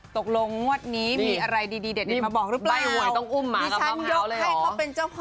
ตกลงงวดนี้มีอะไรดีเด็ดมาบอกหรือเปล่า